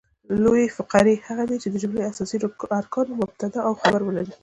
لویي فقرې هغه دي، چي د جملې اساسي ارکان مبتداء او خبر ولري.